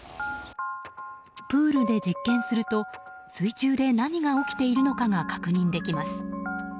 プールで実験すると水中で何が起きているのかが確認できます。